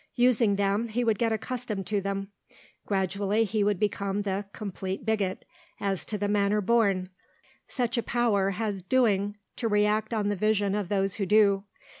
Using them, he would get accustomed to them; gradually he would become the Complete Bigot, as to the manner born, such a power has doing to react on the vision of those who do.